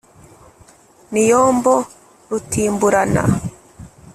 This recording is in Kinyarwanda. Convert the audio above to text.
n’iyombo rutimburana